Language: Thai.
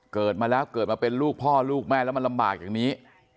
เกิดมาแล้วเกิดมาเป็นลูกพ่อลูกแม่แล้วมันลำบากอย่างนี้